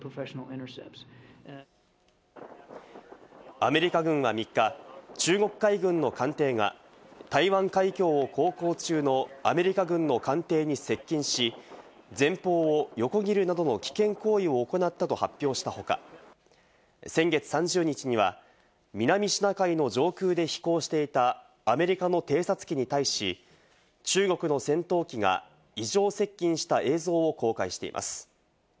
アメリカ軍は３日、中国海軍の艦艇が、台湾海峡を航行中のアメリカ軍の艦艇に接近し、前方を横切るなどの危険行為を行ったと発表したほか、先月３０日には南シナ海の上空で飛行していたアメリカの偵察機に対し、中国の戦闘機が異常接近した映像を公開しています。